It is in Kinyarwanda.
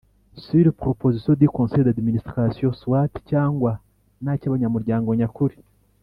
sur proposition du Conseil d administration soit cyangwa na cy abanyamuryango nyakuri